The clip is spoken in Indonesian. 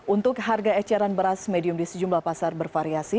untuk harga eceran beras medium di sejumlah pasar bervariasi